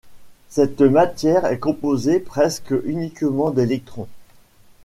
Cette matière est composée presque uniquement d’électrons.